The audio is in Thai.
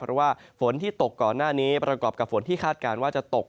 เพราะว่าฝนที่ตกก่อนหน้านี้ประกอบกับฝนที่คาดการณ์ว่าจะตก